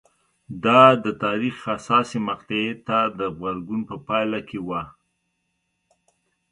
دا د تاریخ حساسې مقطعې ته د غبرګون په پایله کې وه